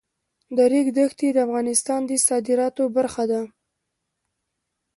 د ریګ دښتې د افغانستان د صادراتو برخه ده.